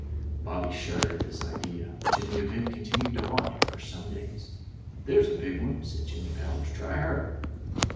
Bobby shuddered at this idea, which in the event continued to haunt him for some days. "There's a big one," said Jimmy Powers. "Try her."